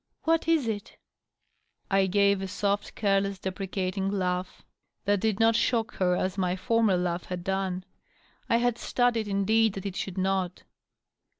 " What is it ?" I gave a soft, careless, deprecating laugh, that did not shock her as my former laugh had done ; I had studied, indeed, that it should not.